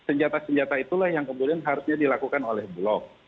dan senjata senjata itulah yang kemudian harusnya dilakukan oleh bulog